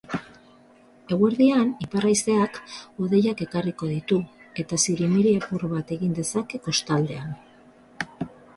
Eguerdian ipar-haizeak hodeiak ekarriko ditu eta zirimiri apur bat egin dezake kostaldean.